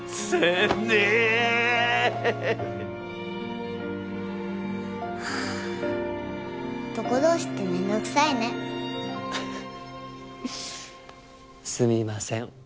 すみません。